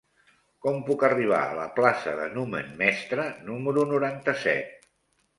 Com puc arribar a la plaça de Numen Mestre número noranta-set?